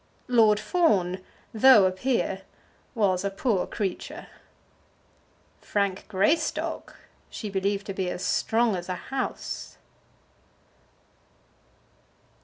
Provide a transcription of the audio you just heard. Lord Fawn, though a peer, was a poor creature. Frank Greystock she believed to be as strong as a house.